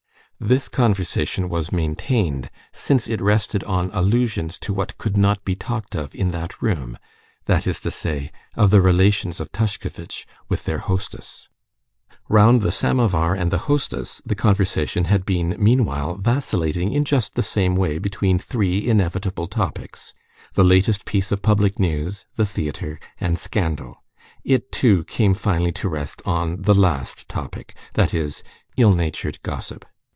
This conversation was maintained, since it rested on allusions to what could not be talked of in that room—that is to say, of the relations of Tushkevitch with their hostess. Round the samovar and the hostess the conversation had been meanwhile vacillating in just the same way between three inevitable topics: the latest piece of public news, the theater, and scandal. It, too, came finally to rest on the last topic, that is, ill natured gossip.